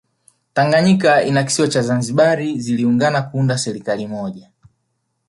Tanganyika na kisiwa cha Zanzibar zilungana kuunda ya serikali moja